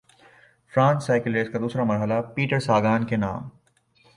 France cycle race کا دوسرا مرحلہ پیٹرساگان کے نام